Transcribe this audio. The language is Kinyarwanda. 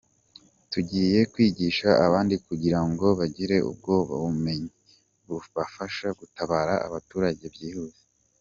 Tugiye kwigisha abandi kugira ngo bagire ubwo bumenyi bubafasha gutabara abaturage byihuse.